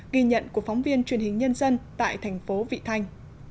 ghi nhận của phóng viên truyền hình nhân dân tại thành phố vị thanh